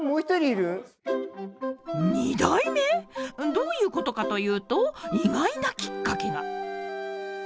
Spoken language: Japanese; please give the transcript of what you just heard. どういうことかというと意外なきっかけが。